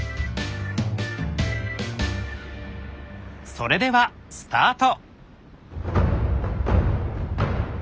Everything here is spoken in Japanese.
それではスタート！